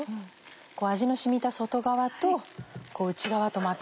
味の染みた外側と内側とまた。